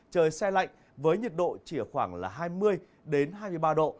trời xe lạnh với nhiệt độ chỉ khoảng là hai mươi đến hai mươi ba độ